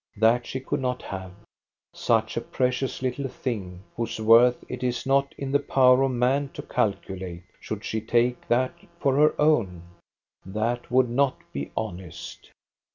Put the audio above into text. That she could not have. Such a precious little thing, whose worth it is not in the power of man to calculate, should she take that for her own? That would not be honest.